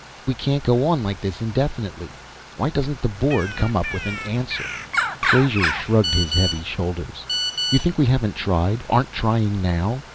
We can't go on like this indefinitely. Why doesn't the Board come up with an answer?" Frazer shrugged his heavy shoulders. "You think we haven't tried, aren't trying now?